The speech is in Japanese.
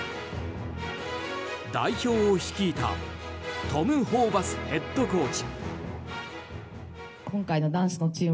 代表を率いたトム・ホーバスヘッドコーチ。